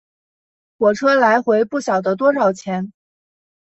火车来回不晓得多少钱